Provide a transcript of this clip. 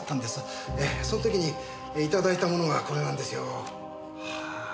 その時に頂いたものがこれなんですよ。